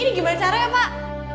ini gimana caranya pak